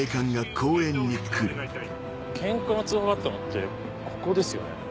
ケンカの通報があったのってここですよね？